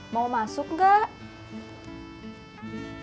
mau masuk gak